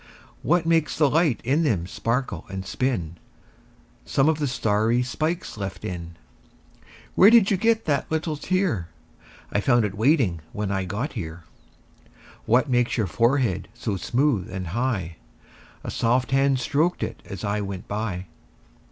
What makes the light in them sparkle and spin? Some of the starry twinkles left in. Where did you get that little tear? I found it waiting when I got here. What makes your forehead so smooth and high? A soft hand stroked it as I went by.